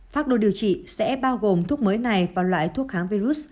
phác đồ điều trị sẽ bao gồm thuốc mới này và loại thuốc kháng virus